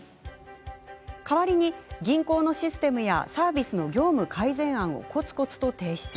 代わりに、銀行のシステムやサービスの業務改善案をこつこつと提出。